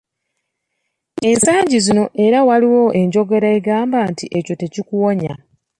Ensangi zino era waliwo enjogera egamba nti, "ekyo tekikuwonya."